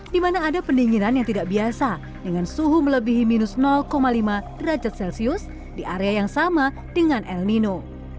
di mana ada pendinginan yang tidak biasa dengan suhu melebihi minus lima derajat celcius di area yang sama dengan el nino